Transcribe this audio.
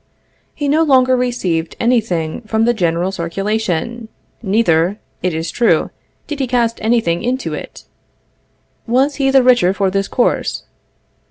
He no longer received any thing from the general circulation; neither, it is true, did he cast any thing into it. Was he the richer for this course?